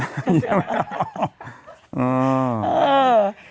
เออ